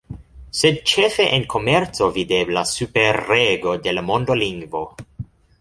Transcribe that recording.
Sed ĉefe en komerco videblas superrego de la mondolingvo.